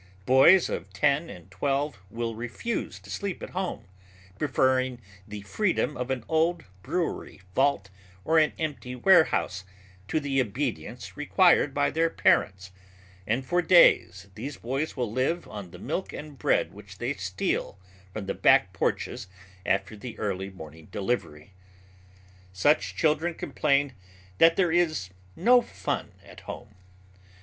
Boys of ten and twelve will refuse to sleep at home, preferring the freedom of an old brewery vault or an empty warehouse to the obedience required by their parents, and for days these boys will live on the milk and bread which they steal from the back porches after the early morning delivery. Such children complain that there is "no fun" at home.